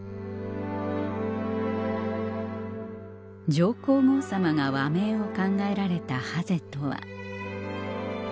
上皇后さまが和名を考えられたハゼとは？